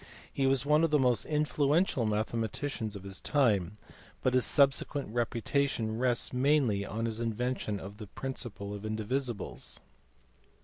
He was one of the most influential mathematicians of his time, but his subsequent reputation rests mainly on his invention of the principle of indivisibles.